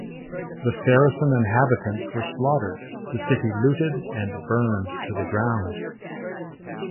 The Saracen inhabitants were slaughtered, the city looted and burned to the ground.